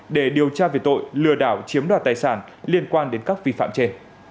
để điều tra về tội lừa đảo chiếm đoạt tài sản liên quan đến các vi phạm trên